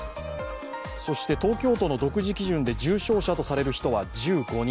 そして東京都の独自基準で重症者とされる人は１５人。